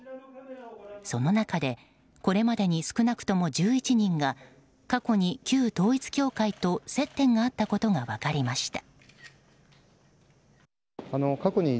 その中でこれまでに少なくとも１１人が過去に旧統一教会と接点があったことが分かりました。